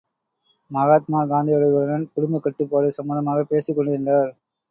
மகாத்மா காந்தியடிகளுடன் குடும்பக் கட்டுப்பாடு சம்பந்தமாகப் பேசிக்கொண்டிருந்தார்.